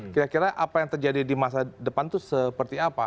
kira kira apa yang terjadi di masa depan itu seperti apa